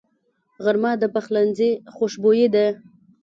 غرمه د پخلنځي خوشبويي ده